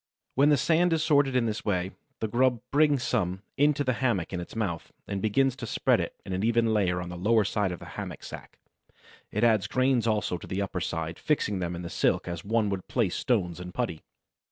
When the sand is sorted in this way, the grub brings some into the hammock in its mouth, and begins to spread it in an even layer on the lower side of the hammock sack; it adds grains also to the upper side, fixing them in the silk as one would place stones in putty.